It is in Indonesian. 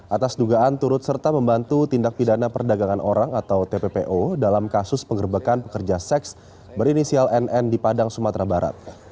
atas dugaan turut serta membantu tindak pidana perdagangan orang atau tppo dalam kasus penggerbekan pekerja seks berinisial nn di padang sumatera barat